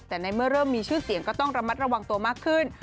แต่ในเมื่อเริ่มมีชื่อเสียงก็ต้องระมัดระวังตัวมากขึ้น